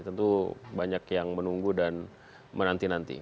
tentu banyak yang menunggu dan menanti nanti